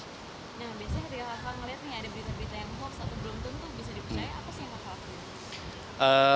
nah biasanya ketika kakak ngeliat nih ada berita berita yang hoax atau belum tentu bisa dipercaya apa sih yang nakal